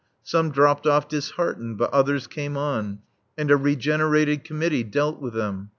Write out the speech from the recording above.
Some dropped off disheartened, but others came on, and a regenerated committee dealt with them.